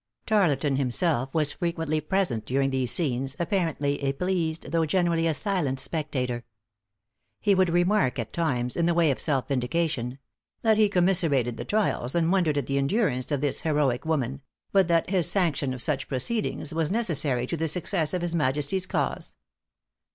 Tarleton himself was frequently present during these scenes, apparently a pleased, though generally a silent spectator. He would remark at times, in the way of self vindication, "that he commiserated the trials, and wondered at the endurance, of this heroic woman; but that his sanction of such proceedings was necessary to the success of His Majesty's cause."